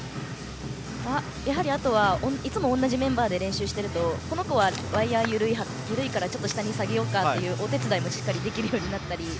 あとは、いつも同じメンバーで練習しているとこの子は、ワイヤ緩いからちょっと下に下げようかというお手伝いもできるようになってきたり。